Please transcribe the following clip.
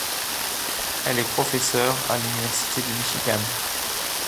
Elle est professeur à l'Université du Michigan.